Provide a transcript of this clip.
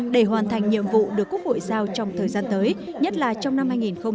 để hoàn thành nhiệm vụ được quốc hội giao trong thời gian tới nhất là trong năm hai nghìn hai mươi